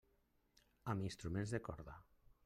Amb instruments de corda.